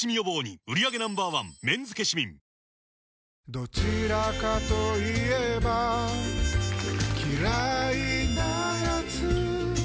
どちらかと言えば嫌いなやつ